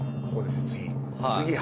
ここですね次。